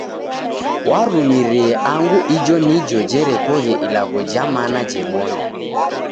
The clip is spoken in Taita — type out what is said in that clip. Warumirie angu ijo nijo jerekoghe ilagho ja mana jebonya.